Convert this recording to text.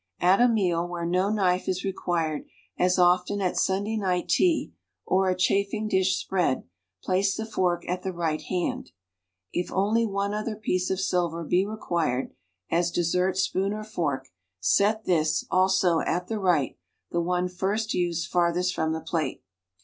At a meal where no knife is reffuired, as often at Sunday night tea or a chafing dish s])read, place the fork at the right liand; if only one other piece of sih'er be retiuired — as dessert spoon or fork — set this, also, at the right, the one first used farthest from the plate.